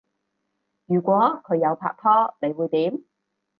如果佢有拍拖你會點？